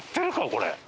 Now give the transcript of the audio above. これ。